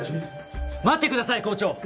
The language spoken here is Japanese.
待ってください校長！